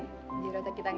jadi rata kita gak buntung